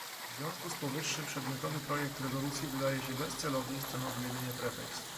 W związku z powyższym przedmiotowy projekt rezolucji wydaje się bezcelowy i stanowi jedynie pretekst